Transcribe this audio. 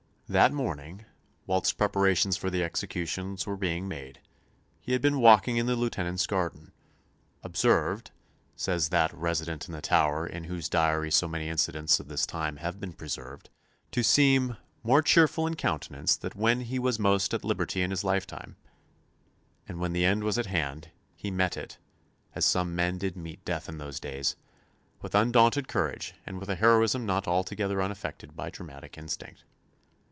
That morning, whilst preparations for the executions were being made, he had been walking in the Lieutenant's garden, observed, says that "resident in the Tower" in whose diary so many incidents of this time have been preserved, to seem "more cheerful in countenance than when he was most at liberty in his lifetime"; and when the end was at hand, he met it, as some men did meet death in those days, with undaunted courage, and with a heroism not altogether unaffected by dramatic instinct.